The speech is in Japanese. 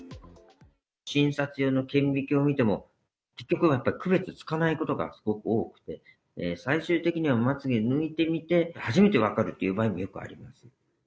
診察用の顕微鏡で見ても、結局は区別つかないことがすごく多くて、最終的にはまつげ抜いてみて初めて分かるっていう場合も結構あります。